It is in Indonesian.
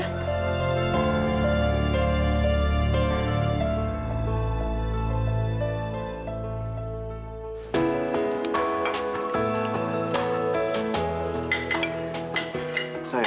oh siada gitu